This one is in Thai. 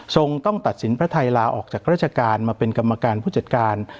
ต้องตัดสินพระไทยลาออกจากราชการมาเป็นกรรมการผู้จัดการ